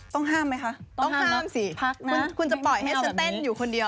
ต้องห้ามไหมคะต้องห้ามสิคุณจะปล่อยให้ฉันเต้นอยู่คนเดียว